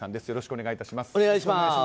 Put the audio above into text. よろしくお願いします。